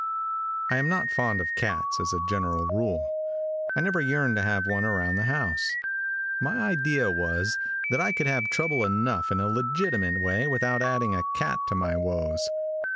|I AM not fond of cats, as a general rule. I never yearned to have one around the house. My idea always was, that I could have trouble enough in a legitimate way without adding a cat to my woes.